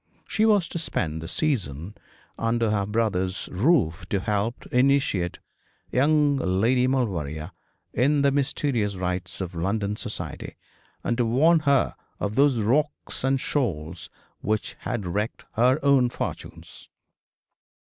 She was to spend the season under her brother's roof, to help to initiate young Lady Maulevrier in the mysterious rites of London society, and to warn her of those rocks and shoals which had wrecked her own fortunes.